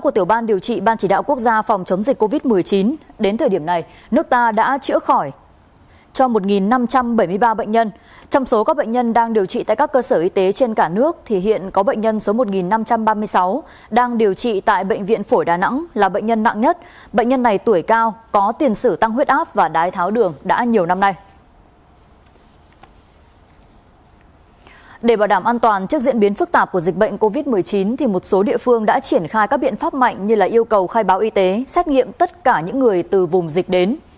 trong khoảng trước diễn biến phức tạp của dịch bệnh covid một mươi chín thì một số địa phương đã triển khai các biện pháp mạnh như là yêu cầu khai báo y tế xét nghiệm tất cả những người từ vùng dịch đến